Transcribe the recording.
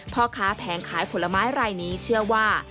พ่อค้าแผงขายผลไม้รายนี้เชื่อว่า